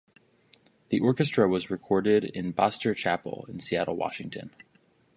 The orchestra was recorded in Bastyr Chapel in Seattle, Washington.